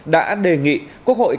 đã đề nghị quốc hội